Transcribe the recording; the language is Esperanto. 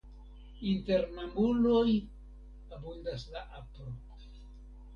Inter mamuloj abundas la apro.